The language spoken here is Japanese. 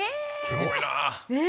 すごいな。ね！